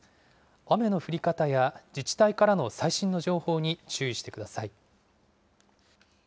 雨の降り方や自治体からの最新の情報に注意してください。